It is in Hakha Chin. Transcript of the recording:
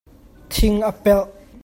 Thing a pelh.